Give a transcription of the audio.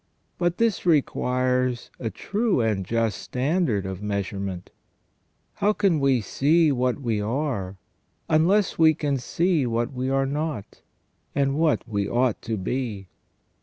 But this requires a true and just standard of measurement. How can we see what ii8 SELF AND CONSCIENCE. we are unless we can see what we are not, and what we ought to be